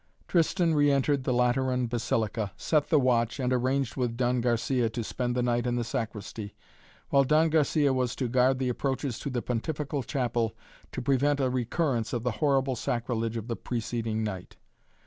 Tristan re entered the Lateran Basilica, set the watch and arranged with Don Garcia to spend the night in the sacristy, while Don Garcia was to guard the approaches to the Pontifical Chapel to prevent a recurrence of the horrible sacrilege of the preceding night.